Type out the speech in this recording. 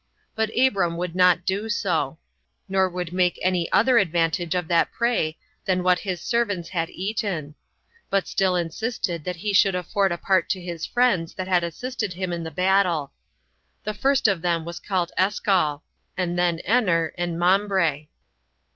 But Abram would not do so; nor would make any other advantage of that prey than what his servants had eaten; but still insisted that he should afford a part to his friends that had assisted him in the battle. The first of them was called Eschol, and then Enner, and Mambre.